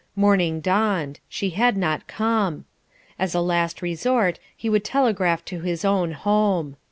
Morning dawned; she had not come. As a last resort, he would telegraph to his own home.